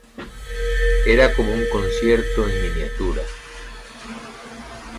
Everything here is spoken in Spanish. era como un concierto en miniatura